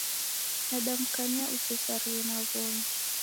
Nadamkania usesarighe na w'omi.